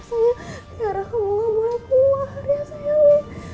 sayang tiara kamu gak boleh keluar ya sayang